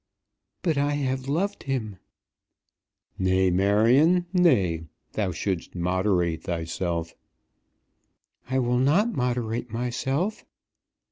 "But I have loved him." "Nay, Marion, nay; thou shouldst moderate thyself." "I will not moderate myself."